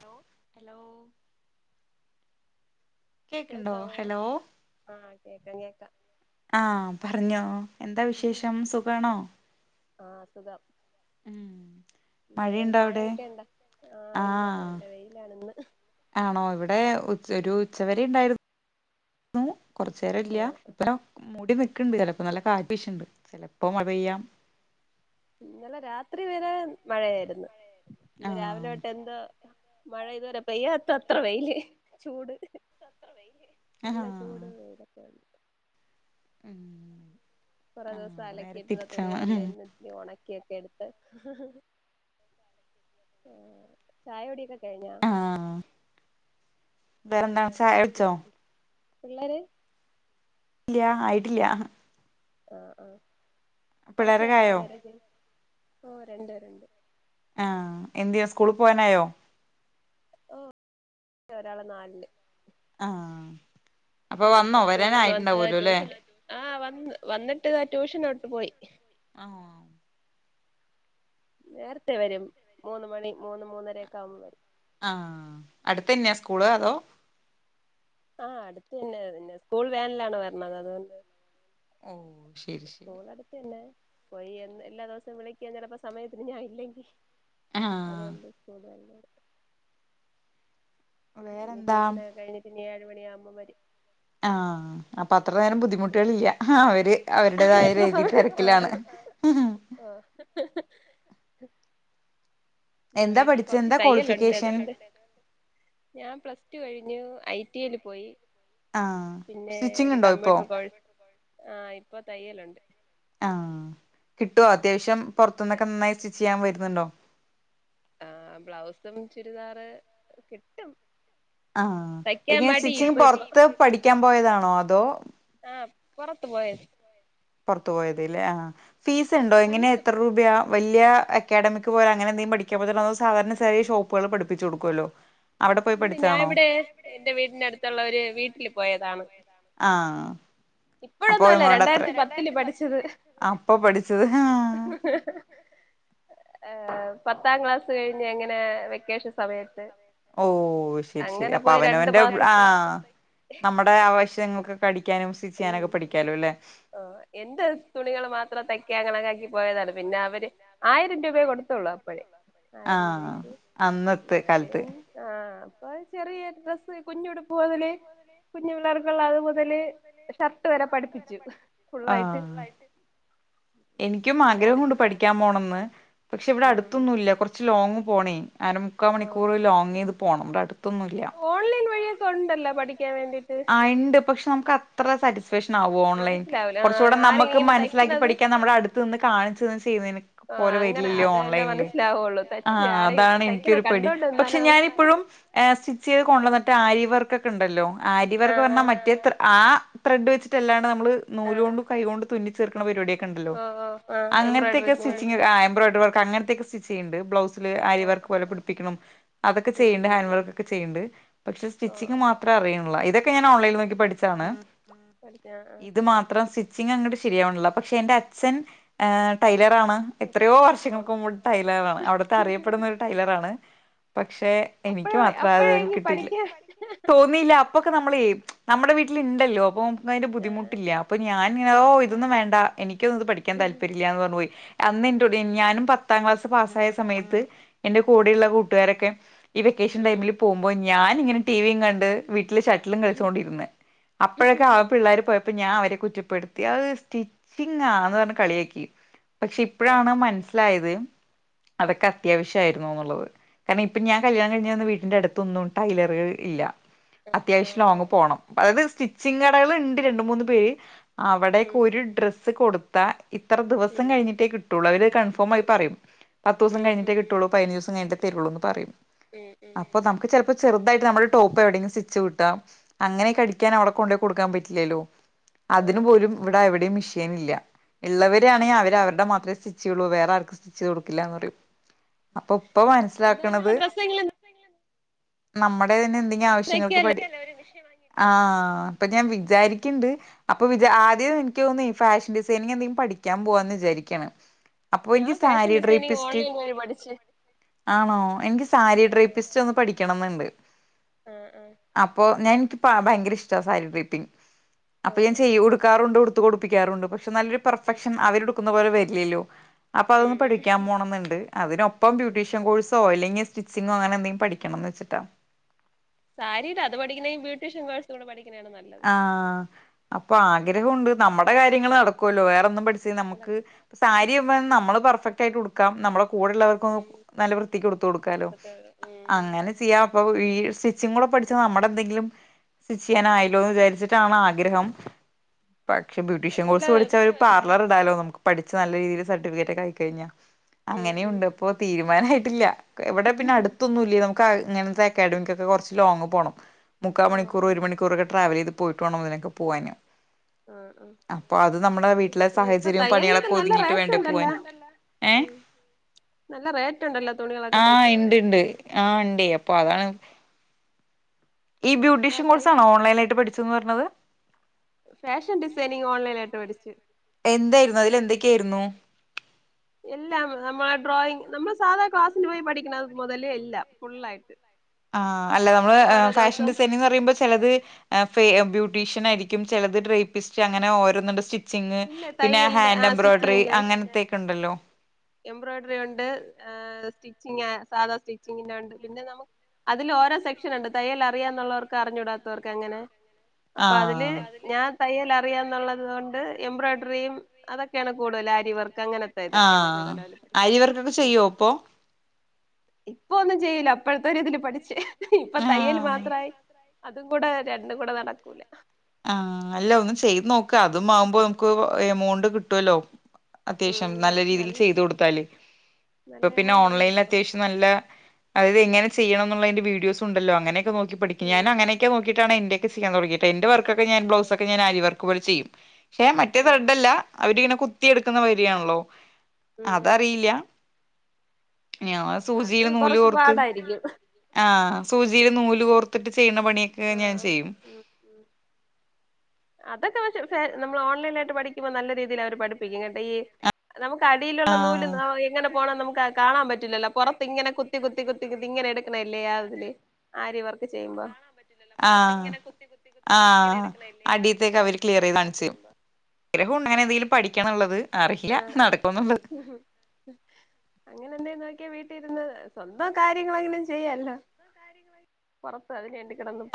Hello hello കേക്ക്ണ്ടോ hello [unintelligible] കേക്കാ ആ പറഞ്ഞോ എന്താ വിശേഷം സുഖാണോ? ആഹ് സുഖം. ഉം. പിന്നെ മഴയുണ്ടോ അവിടെ മഴയൊക്കെണ്ടാ ആഹ് ഇല്ല നല്ല വെയിലാണ് ഇന്ന്. ആണോ ഇവിടെ ഉച് ഒരു ഉച്ച വരേ ഇണ്ടായിരുന്നു. കൊർച്ചേരം ഇല്ല ആഹ് ഇപ്പ മൂടി നിക്ക് ണ്ട് ചെലപ്പോ നല്ല കാറ്റ് വീശ്ണ്ട് ചെ ലപ്പോ മഴ പെയ്യാം. ഇന്നലെ രാത്രി വരെ മഴയായിരുന്ന്. ഇന്ന് രാവിലെ ആഹ് തൊട്ട് എന്തോ മഴ ഇതുവരെ പെയ്യാത്തത്ര വെയില് ചൂട്. നല്ല ആഹ് ചൂട ഇതൊക്കെ ഉണ്ട്. ഊം കൊറെ ദിവസം അലക്കിയിട്ട തുണികളെല്ലാം ഇന്ന് ഒണക്കി ക്കി എടുത്ത് ആ ചായ കുടി ഒക്കെ കഴിഞ്ഞാ വേറെന്താണ് ചായകുടിച്ചോ? പിള്ളേര് ഇല്ലാ ആയിട്ടില്ല. ആഹ ആഹ പിള്ളേരൊക്കെ കൊറച്ചേള്ളോ ആയോ വരക്ക ഓ രണ്ട് പേരുണ്ട്. ആഹ എന്തെ സ്കൂള് പോവാനായോ? ഓ ഒരാള് നാലില്. ആ ഉം ഇപ്പ സ്കൂളിൽന്ന് വന്ന് ട്യൂഷന് ആഹ് വന്ന് വന്നിട്ട് ഇതാ ട്യൂഷനോട്ട് പോയി ആ നേരത്തെ വരും മൂന്ന് മണി മൂന്ന് മൂന്നരൊക്ക ആവുമ്പോ വരും ആ അടുത്തന്നെയാ സ്കൂള് അതോ ആ അടുത്ത തന്നെ പിന്നെ സ്കൂൾ വാനിലാണ് വരണത് അതുകൊണ്ട് ഉം സ്കൂൾ അടുത്ത് തന്നെ പോയി എല്ലാ ദിവസവും വിളിക്കാൻ ചിലപ്പോ സമയത്തിന് ഞാൻ ഇല്ലെങ്കി ആഹ് അതുകൊണ്ട് [unintelligible] ഇനി വേറെന്താ ട്യൂഷനൊക്കെ കഴിഞ്ഞട്ട് ഇനി ഏഴ മണിയാകുമ്പം വരും ആ അപ്പൊ അത്ര നേരം ബുദ്ധിമുട്ടുകൾ ഇില്ല അവര് അവരുടേതായ എത്ര രീതി സമയം ആഹ് തെരക്കിലാണ് ആഹ് വീട്ടില് കൊറച്ച് എന്താ തയ്യലുണ്ട് ക്വാളിഫിക്കേഷൻ അതുകൊണ്ട് ഞാൻ പ്ലസ് ടു കഴി [unintelligible] ഐ ടിയില് പോയി ആ പിന്നെ സ്റ്റിച്ചിങ് ഉണ്ടോ ഇപ്പോ? പ്പ തയ്യലുണ്ട് ആ കിട്ടുവൊ അത്യാവശ്യം പൊറത്തുന്നൊക്കെ നന്നായി സ്റ്റിച്ച് ചെയ്യാൻ വരുന്നുണ്ടോ? ആ ബ്ലൗസും, ചുരിദാറ് കിട്ടും ആ തയ്ക്കാൻ എങ്ങനെ മടി ഇപ്പൊ സ്റ്റിച്ചിങ്ങ് ഇപ്പൊ പൊറത്ത് പഠിക്കാൻ പോയതാണോ അതോ പൊറത്തു പോയത് പുറത്തു പോയതലേ ആ ഫീസ് ഉണ്ടോ എങ്ങനെ പണ്ട് എത്ര രൂപയാ? വല്യ അക്കാഡമിക് പോല അങ്ങനെ എന്തെങ്കിലും പഠിക്കാൻ പോയതാണോ അതോ സാധാരണ ചെല ഷോപ്പുകളിൽ പഠപ്പിച്ചു കൊടുക്കോലൊ ഇല്ല ഞാാനിവിടെ എന്റെ വീടിന്റെ അടുത്തുള്ള ഒരു വീട്ടില് പോയതാണ്. ആ ഇപ്പഴൊന്നും അല്ല രണ്ടായിരത്തി പത്തില്ല് പഠിച്ചത് അപ്പ പഠിച്ചത് ആ ഏ പത്താം ക്ലാസ് കഴിഞ്ഞ് എങ്ങനെ വെക്കേഷൻ സമയത്ത് ഓ ശരി ശരി അങ്ങനെ അപ്പൊ പോയി രണ്ടു അവനവന്റെ ആ മാസത്തെ നമ്മുടെ ആവശ്യങ്ങക്കൊക്കെ പഠിക്കാനും സ്റ്റിച്ച് ചെയ്യാനൊക്കെ പഠിക്കാലോ അല്ലെ. ആ എന്റെ തുണികള് മാത്രം തയ്ക്ക കണക്കാക്കി പോയതാണ് പിന്നെ അവര് ആയിരം രൂപയെ കൊടുത്തുള്ളൂ അപ്പഴേ ആയിരം ആഹ് രൂപക്ക് അന്നത്തെ അവര് കാലത്ത് ആ ഇപ്പൊ ചെറിയ ആഹ് ഡ്രസ്സ് കുഞ്ഞുടുപ്പ് മുതല് കുഞ്ഞു പിള്ളേർക്കുള്ള അത് മുതല് ഷർട്ട് വരെ പഠിപ്പിച്ചു. ആ ഫുള്ളായിട്ട് എനിക്കും പിന്നെ ആഗ്രഹം അതിൽ ഉണ്ട് പഠിക്കാൻ പോണംന്ന്. പക്ഷെ ഇവിടെ ഉം അടുത്തൊന്നും ഇല്ല കൊറച്ച് ലോങ് പോണേ അരമുക്കാ ഓഹ് മണിക്കൂർ ഓഹ് ലോങ് ചെയ്ത് പോണം ഇവിടെ അട് ത്തൊന്നില്ല ത്തുണ്ടല്ലൊ പഠി ആ ഇണ്ട് പക്ഷെ നമുക്ക് അത്ര സാറ്റി സ്ഫാക്ഷൻ ആവോ ഓൺലൈൻ മനസ്സിലാവൂല കൊറച്ചുകൂടെ ആഹ് ആരെങ്കിലും നമ്മുക്ക് ഇങ്ങനെ മനസ്സിലാക്കി തയ്ക്കുന്നത് പഠിക്കാൻ നമ്മുടെ അടുത്ത് നിന്ന് കാണിച്ചു തന്ന് ചെയ്യുന്ന ആഹ് പോലെ അങ്ങനെ വരില്ലല്ലോ അത് തന്നെ ഓൺലൈനില് മനസ്സിലാവുള്ളൂ ആ തച്ച് ആരെയും അതാണ് തയ്ക്കണ എനിക്കൊരു പടി കണ്ടോണ്ട് പക്ഷെ നിന്നാലേ നമുക്ക് ഞാനിപ്പഴും ആ സ്റ്റിച്ച് ചെയ്ത് കൊണ്ടുവന്നിട്ട് ആരിവർക്കൊക്കെ ഉണ്ടല്ലോ ആ ഇവർക്ക് ആഹ് വരുന്ന മറ്റേ ആ ത്രെഡ് വച്ചിട്ട നമ്മൾ ആഹ് ആഹ് നൂലുകൊണ്ട് ആഹ് കൈ കൊണ്ട് തുന്നി ചേർക്കണ പരിപാടി ഓഹ് ഓഹ് ആഹ് എംബ്രോയ്ഡറി അങ്ങനത്തൊക്കെ നൂല് സ്റ്റിച്ചിഗ് എംബ്രോയിഡറി വർക്ക് അങ്ങനെതൊക്കെ സ്റ്റിച്ച് ചെയ്യണ്ട് ബ്ലൗസ് ആരി വർക്ക് ഓഹ് പോലെ പിടിപ്പിക്കണം അതൊക്കെ ഉം ചെയ്യണ്ട് ഉം ഹാൻഡ് ഉം വർക്കൊക്കെ ചെയ്യുണ്ട് പക്ഷെ ഓഹ് സ്റ്റിച്ചിഗ് ഓഹ് മാത്രേ അറിയും ഇതൊക്കെ ഞാൻ ഓൺലൈൻ നോക്കി പഠിച്ചാണ് പഠിച്ച ആഹ് ഇത് മാത്രം സി സ്റ്റിച്ചിങങ്ങട്ട് ശരിയാവുന്നില്ല പക്ഷെ ന്റെച്ചൻ ടൈലർ ആണ് ആഹ് എത്രയോ വർഷങ്ങൾക്ക് മുമ്പ് ടൈലറാണ് അവിടുത്തെ ഓഹ് അറിയപ്പെടുന്ന ഒരു ടൈലറാണ് പക്ഷെ എനിക്ക് അപ്പഴ മാത്രം അ അപ്പഴായിനി കിട്ടിയില്ല പഠിക്കാൻ തോന്നിയില്ല അപ്പൊക്കെ നമ്മളെ നമ്മുടെ വീട്ടിൽണ്ടല്ലോ അപ്പം അതിന്റെ ആഹ് ബുദ്ധിമുട്ടില്ല അപ്പ ഞാനി ആഹ് ഓ ഇതൊന്നും ഇപ്പഴാണ് വേണ്ട എനിക്കൊന്നുംത് പഠിക്കാൻ ഉം താല്പര്യല്ല എന്ന് പറഞ്ഞ്പോയി ഉം ഞാനും പത്താം ക്ലാസാ പാസ്സായ സമയത്ത് എന്റെ കൂടെള്ള ഉം കൂട്ടാരൊക്കെ ഈ വെക്കേഷൻ ടൈമിൽ പോവുമ്പോ ഞാൻ ഇങ്ങനെ ടിവിയും കണ്ട് വീട്ടില് ഷട്ടിലും ഉം കളിച്ചുകൊണ്ടിരന്ന് അപ്പോഴൊക്കെ ആപുള്ളേർ പോയപ്പോ ഞാ അവ കുറ്റപ്പെടുത്തി അത് സ്റ്റിച്ചിഗാന്ന് പറഞ്ഞ് കളിയാക്കി പക്ഷെ ആഹ് ഇപ്പഴാണ് മനസ്സിലായത് [unintelligible] അതൊക്കെ അത്യാവശ്യയിരുന്നു എന്നുള്ളത് കാരണം ഇപ്പൊ ഞാൻ കല്യാൻ കഴിഞ്ഞ വീട്ടിന്റെ അടുത്തൊന്നും ടൈലറുക ഇല്ല ആഹ് അത്യാവശ്യം ആഹ് ആഹ് ലോങ്ങ് പോണം അതായത് സ്റ്റിച്ചിങ്ങ് കടകൾ ഉണ്ട് രണ്ട് മൂന്ന് പേര് അവിടക്ക ഉം ഒരു ഡ്രസ്സ് കൊടുത്ത ഇത്ര ദിവസം ഉം കഴിഞ്ഞിട്ടേ കിട്ടുള്ളൂ അവര് കൺഫേം ആയി പറയും പത്ത് ദിവസം ഉം ഉം കഴിഞ്ഞേ കിട്ടുള്ളൂ പതിനേഴ് ദിവസം കഴിഞ് തരുള്ളൂ പറയും ഉം ഉം അപ്പൊ നമ്ക്ക് ചെറുതായിട്ട് നമ്മളെ ടോപ്പെവിടെയും സ്റ്റി ച്ചുട്ടാം അങ്ങനെക്കടിക്കാൻ അവർക്ക് കൊണ്ടയ്കൊടുക്കാൻ പറ്റില്ലല്ലോ അതിനു ഓഹ് പോലും ഇവിടെ എവിടെയും മിഷീൻ ഇല്ല ഉള്ളവരാ ണെങ്കിൽ അവര് അവരുടെ മക്കക് സ്റ്റിച്ചള്ളൂ വേറെ ആർക്കും സ്റ്റിച്ച്ചെയ്തു കൊടുക്കില്ലന്ന് പറയും അപ്പൊ ഇപ്പൊ മനസ്സിലാക്കണത് സ്വന്തമായിട്ടുള്ള ഡ്രസ്സെങ്കിലും നമ്മടെ നിന്തെങ്കും ആവശ്യങ്ങൾ തയ്ക്കാല്ലോ ആഹ അപ്പൊ ഞാൻ വിചാരിക്ക്ണ്ട് അപ്പൊച ഉം ആദ്യം എനിക്ക് തോന്നി - ഫാഷൻ ഡിസൈനിങ് എന്തങ്കിലും പഠിക്കാൻ പോവാ എന്ന് വിചാരിക്കണ് അപ്പൊ ഞാൻ എനിക്ക് ഫാഷൻ സാരി ഡിസൈനിങ് ട്രീപ്പിസ്റ്റ് ഓൺലൈൻ വഴി പഠിച്ച് ആണോ എനിക്ക് സാരി ഡ്രേപ്പിസ്റ്റ് ഒന്ന് പഠിക്കണംന്നുണ്ട് ഉഹ ഉഹ അപ്പൊ ഞാൻ എനിക്ക് ഭയങ്കര ഇഷ്ട സാരി ട്രീപ്പിങ് അപ്പൊ ഓഹ് ഞാൻ ഓഹ് ചെയ്യ ഉടുക്കാറുണ്ട് ഒത്ത ടുപ്പിക്കാറുണ്ട് പക്ഷെ നല്ലൊരു ഉം പെർഫെക്ഷൻ അവര്ടുപിക്കുന്ന പോലെ വരില്ലല്ലോ അപ്പൊ ഉം അതൊന്ന് ഉം പഠിക്കാൻ പോണംന്നുണ്ട് അതിനൊപ്പം ഉം ബ്യൂട്ടീഷ്യൻ കോഴ്സോ അല്ലെങ്കി ഇനി സ്റ്റിച്ചിങ്ങോ അങ്ങനെ എന്തെങ്കിലും പഠിക്കണംന്ന് വെച്ചിട്ടാ സാരിടാ അത് പഠിക്കണെ ബ്യുട്ടീഷ്യൻ കോഴ്സ് കൂടി പഠിക്ക ആഹ അപ്പൊ ആഗ്രഹൊണ്ട് നമ്മുടെ കാര്യങ്ങൾ നടക്കുല്ലോ വേറൊന്നും പഠി നമ്ക്ക് ഉം സാരി നമ്മള് പെർഫക് ആായിട്ട്ടുക്കാം ന കൂടെള്ളവർക്കൊ നല്ല വൃത്തിക്ക് ടുത്ത് കൊടുക്കാലോ അങ്ങനെ ചെയ്യ അപ്പ കൂടെ പഠിച്ച നമ്മടെ എന്തെങ്കിലും ഉം സ്റ്റിച്ചെയ്യാനായ് ച്ട്ടാണ് ആഗ്രഹം പക്ഷെ ബ്യൂട്ടീഷ്യൻ അതുവല്ല കോഴ്സ് പഠിച്ച ഒരു പാർലർ ഇടാലോ നമുക്ക് പഠിച്ച് നല്ല രീതിൽ സർട്ടിഫിക്കറ്റ് ഒക്കെ ആയിക്കഴിഞ്ഞ ഉം ഉം അങ്ങനെയുണ്ട്പ്പോ തീരുമാനയിട്ടില്ല എവിടെ പിന്നെ ഓഹ് അടുത്തൊന്നുംല്ല നമുക്ക് ഇങ്ങനത്തെ അക്കാഡമിക്ക്ക്കെ കുറച്ച് ലോങ്ങ് പോകണം മുക്കാൽ മണിക്കൂർ ഓഹ് ഒരു മണിക്കൂറൊക്കെ ട്രാവൽ ചെയ്ത് പോയിട്ട്വേണം അതിനൊക്കെ പോവാന് ആഹ് ആഹ് അപ്പൊ അത് നമ്മളെ വീട്ടിലെ പക്ഷെ ഇപ്പൊ സാഹചര്യം തയ്യലിനൊക്കെ പണികളൊക്കെ നല്ല ഒതുങ്ങിട്ട് റേറ്റ് വേണ്ടേ പോവാൻ ഉണ്ടല്ലോ ഉം നല്ല റേറ്റ് ഉണ്ടല്ലോ തുണികളൊക്കെ ആഹ തയ്ക്കാൻ ഇണ്ട് വേണ്ടിട്ട് ഇണ്ട് ആഹ ഇണ്ട് അപ്പൊ അതാണ് ഈ അപ്പൊ ബ്യൂട്ടീഷ്യൻ തയ്യല് കോഴ്സാണോ ഓൺലൈനായിട്ട് പഠിച്ചുന്ന് പറഞ്ഞത് ഫാഷൻ ഡിസൈനിങ് ഓൺലൈനായിട്ട് പഠിച്ചു എന്തായിരുന്നു അതിലെന്തൊക്കയിരുന്നു എല്ലാം നമ്മളെ ഡ്രോയിങ് നമ്മൾ സാധാ ക്ലാസ്സിന് പോയി പഠിക്കണ മുതല് എല്ലാം ഫുള്ളായിട്ട് ആ അല്ല നമ്മള് ഓരോ ഫാഷൻ ദിവസം ഡിസൈനിന്ന് പറയുമ്പോ ചെലത് ഫേ ബ്യൂട്ടീഷ്യൻ ആരിക്കും ചിലത് ഡ്രേപ്പിസ്റ്റ് അങ്ങനെ ഓരോന്ന സ്റ്റിറ്റ് സ്റ്റിച്ചിങ് ഇല്ല പിന്നെ തയ്യലിന്റെ ആ ഹാൻഡ് എംബ്രോയ്ഡറി സ്റ്റിച്ചിങ്ങിന്റെ അങ്ങനത്തെൊക്കെ ഉണ്ടല്ലോ എംബ്രോയ്ഡറി ഉണ്ട് ആ സ്റ്റിച്ചിങ് സാധാ സ്റ്റിച്ചിങ്ങിന്റെ ഉണ്ട് പിന്നെ നമുക്ക് അതില് ഓരോ സെക്ഷൻ ഉണ്ട് തയ്യൽ അറിയാ എന്നുള്ളവർക്ക് അറിഞ്ഞൂടാത്തവർക്ക് എങ്ങനെ അപ്പൊ അതില് ആഹ് ഞാൻ തയ്യൽ അറിയാന്നുള്ളത് കൊണ്ട് എംബ്രോയ്ഡറിയും അതൊക്കെയാണ് കൂടുതൽ അരിവർക്ക് ആഹ് അരിവർക്കൊക്കെ ചെയ്യോ ഇപ്പൊ ഇപ്പ ഒന്നും ചെയ്ല്ല അപ്പോഴത്തെ ഇതിൽ പഠിച്ചേ ഇപ്പൊ തയ്യല് മാത്രായി അതും കൂടെ രണ്ടും കൂടെ നടക്കൂല ആഹ് അല്ല ഒന്ന് ചെയ്ത് നോക്ക അതും ആവുമ്പോ നമുക്ക് എമൗണ്ട് കിട്ടുവല്ലോ അത്യാവശ്യം നല്ല രീതിൽ ചെയ്ത് കൊടുത്താല് ഇപ്പൊ നല്ല പിന്നെ എമൗണ്ട് ഉണ്ട് ഓൺലൈനിൽ ഇപ്പൊ അത്യാവശ്യം നല്ല അത് എങ്ങനെയ ചെയ്യണം എന്നുള്ളതിന്റെ വീഡിയോസ് ഉണ്ടോ അങ്ങനെയൊക്കെോ നോക്കി പഠിക്ക ഉം ഞാൻ അങ്ങനൊക്കെ നോക്കിട്ടാണ് എന്റെ ക്കാൻ തൊടങ്ങിട്ടെ എന്റെ വർക്കൊക്കെ ഞൻ ഉം ബ്ലൗസ്ക്കെ ഞൻ അരിവർക്ക് പോലെ ചെയ്യും പക്ഷേ മറ്റേ ആഹ് ത്ര്രെഡ്ല്ല അവരിങ്ങനെ കുത്തിയെടുക്കുന്ന മാതിരിയാണല്ലോ ഉം ഉം അതറിയില്ല ഞ അത് സൂചിയില് നൂല് കൊറച്ച് കോർത്ത് പാടായിരിക്കും ആ സൂചിയില് നൂല് കോർത്തിട്ട് ചെയ്യുന്ന പണിയൊക്കെ ഞാൻ ആഹ് ചെയ്യും ഉം അതൊക്കെ പ നമ്മൾ ഓൺലൈൻ ആായിട്ട് പഠിക്കുമ്പോ നല്ല രീതിയിൽ അവര് പഠിപ്പിക്കും കേട്ടൊ ഈ നമുക്ക് അടിയിലുള്ള നൂല് ആഹ് എങ്ങനെ പോകണം നമുക്ക് കാണാൻ പറ്റും പല്ലോ പൊറത്ത് ഇങ്ങനെ കുത്തി കുത്തി കുത്തി കുത്തി ഇങ്ങനെ എടുക്കണല്ലേ യാതില് ആരിവർക്ക് ചെയ്യുമ്പോ ആഹ് ആഹ് അടീത്തേക്ക് അവര് ക്ലിയർ ആയി ചെയ്ത് കാണിച്ച് തരും ആഗ്രഹം ഉണ്ട് അങ്ങനെ എന്തെങ്കിലും പഠിക്കണം ന്നുള്ളത് ആഹ് ആ അങ്ങനെ എന്ത നോക്കിയാ വീട്ടി ലിരുന്ന് സ്വന്തം കാര്യങ്ങളങ്ങനും ചെയ്യല്ലോ പുറത്ത് എറങ്ങാ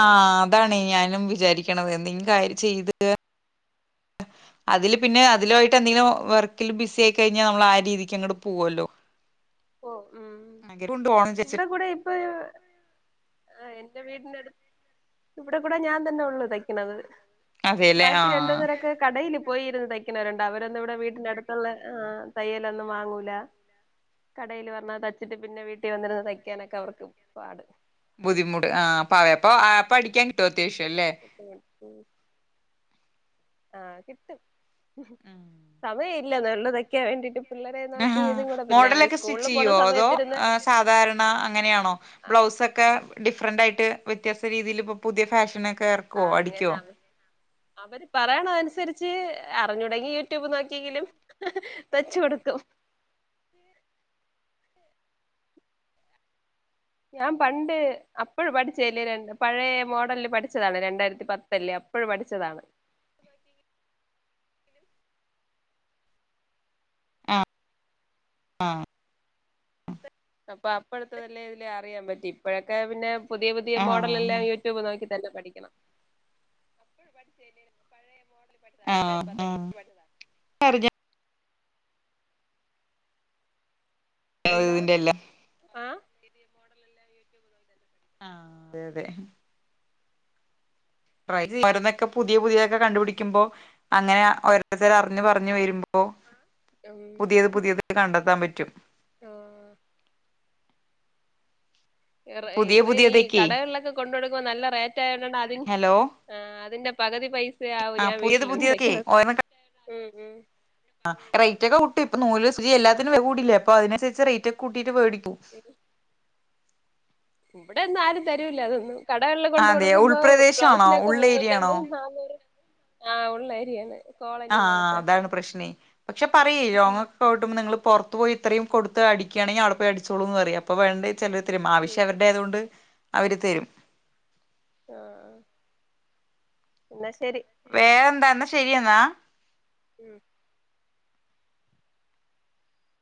ആഹ് അതാണ് ഞാനും വിചാരിക്കണത് എന്തെങ്കിലും കാര്യം ചെയ്ത് അതില് പിന്നെ അതിലായിട്ട് എന്തെങ്കിലും വർക്കിൽ ബിസി ആയി കഴിഞ്ഞാൽ നമ്മള് ആ രീതിക്ക് അങ്ങോട്ട് പോവല്ലോ ഉ ഓ ഉം ആഗ്രഹമുണ്ട് പോണം ഇവിടെ വിചാരിച്ചിട്ട് കൂടെ ഇപ്പൊ എൻ്റെ വീട് ഇവിടെ കൂടെ ഞാൻ തന്നെ ഉള്ളു തയ്ക്കണത് അതെല്ലേ ബാക്കി ആഹ് രണ്ടുന്നരൊക്കെ കടയില് പോയി ഇരുന്ന് തയ്ക്കുന്നവരുണ്ട് അവരൊന്നും ഇവിടെ വീട്ടിന്റെ അടുത്തുള്ള ആ തയ്യലൊന്നും വാങ്ങൂല കടയില് വന്നാ തയ്ച്ചിട്ട് പിന്നെ വീട്ടിൽ വന്നിരന്ന് തയ്ക്കാനൊക്കെ അവർക്ക് പാട് ബുദ്ധിമുട്ട് ആ പവേ അപ്പൊ അടിക്കാൻ കിട്ടുവോ ആഹ് കിട്ടും സമയം ഇല്ല ള്ളതൊക്കാൻ വേണ്ടിട്ട് പിള്ളേരെ നോക്കി ആഹാ ഇതും കൂടെ പിന്നെ അവര് മോഡലൊക്കെ സ്റ്റിച്ച് സ്കൂളിൽ പോണ ചെയ്യോ അതോ സമയത്തിരുന്ന് സധാരണ അങ്ങനെയാണോ ആഹ് ബ്ലൗസൊക്കെ ടി ഡിഫറന്റ് ആയിട്ട് വ്യത്യാസ്ഥ രീതിയിൽ ഇപ്പോ പുതിയ ഫാഷനൊകെ ഇറക്കോ അടിക്കോ അങ്ങനെ അവര് പറയണം അതനുസരിച്ച് അറിഞ്ഞുടങ്ങി യൂട്യൂബ് നോക്കിയെങ്കിലും തയ്ച്ച് കൊടുക്കും ഞാൻ പണ്ട് അപ്പള് പഠിച്ചല് ര പഴയ മോഡലില് പഠിച്ചതാണ് രണ്ടായിരത്തി പത്തല്ലേ അപ്പോഴ പഠിച്ചതാണ് ആ ആ അപ്പൊ അപ്പോഴത്തെ വല്ല ഇതില് അറിയാൻ പറ്റി ഇപ്പോഴ ഒക്കെ പിന്നെ പുതിയ പുതിയ മോഡൽ ആഹ് എല്ലാം യൂട്യൂബ് നോക്കി തന്നെ പഠിക്കണം പഠിച്ച പഴയ മോഡൽ ആ ആ ഇപ്പ എന്താ ഇതിന്റെ എല്ലാം ആഹ് ആ അതെ അതെ ഓരോന്നൊക്കെ പുതിയ പുതിയൊക്കെ കണ്ടുപിടിക്ക്പോ അങ്ങനെ ഓരോരുത്തർ അറിഞ്ഞഞ് പറഞ്ഞഞ് വരുമ്പോ പുതിയത് ഉം പുതിയത് കണ്ടെത്താൻ പറ്റും ആഹ് പുതിയ ഇവ ഈ പുതിയതൊക്കെ കടകളിലൊക്കെ കൊണ്ട കൊടുക്കുമോ നല്ല അതി ഹലോ ആ അതിന്റെ പകുതി പൈസയാവും ആഹ് ഞാൻ പുതിയത് വീട്ടിലിര്ന്ന് പുതിയതൊക്കെ ണ്ടാക്കുന്നത് ഉം ഉം ആ റേറ്റ് ക്കെ ഇപ്പൊ നൂല് സൂചി എല്ലാറ്റിനും കൂടില്ലേ അപ്പ അതിനുരിച്ച് റേറ്റ് ഒക്കെ കൂട്ടീട്ട് വേടിക്കും ഇവിടെ ഒന്നും ആരും തരൂല അതൊന്നും കടകെള്ള കൊണ്ട് അതെ കൊടുക്കുമോ ഉൾപ്രദേശാണോ ബ്ലൗസിനൊക്കെ ഉള്ള ഏരിയാണോ മുന്നൂറ്റമ്പത് നാന്നൂറ് ആഹ് ഉള്ളരിയാണ് ആ അതാണ് പ്രശ്നേ പക്ഷെ പറയ രോങ്ങൊക്കെ വിട്ടുമ്പോ നിങ്ങള് പുറത്ത് പോയി ഇത്രയും കൊടുത്ത് അടിക്കുകയാണെിൽ അവിടെ പോയി അടിച്ചോളൂന്ന് പറ അപ്പ വേണ്ടത് ചിലർ തരും ഉം ആവശ്യം അവരുടെ ആതുകൊണ്ട് അവര് തരും ആ എന്നാ ശരി വേറെ എന്താന്താ ശരിയെന്നാ ഉം